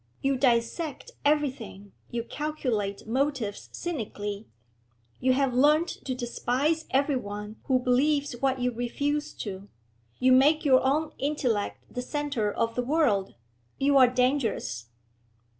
You dissect everything, you calculate motives cynically, you have learnt to despise everyone who believes what you refuse to, you make your own intellect the centre of the world. You are dangerous.'